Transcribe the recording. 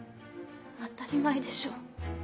当たり前でしょ。